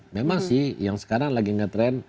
memang sih yang sekarang lagi ngetrend